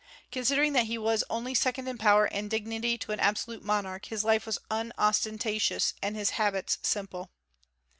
Considering that he was only second in power and dignity to an absolute monarch, his life was unostentatious and his habits simple.